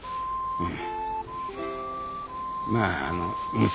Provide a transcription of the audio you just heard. うん。